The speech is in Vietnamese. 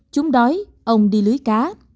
chúng đói ông đi lưới cá